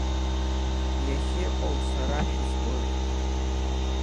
Иахьыҟоу сара шәызгоит.